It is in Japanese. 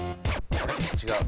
違う。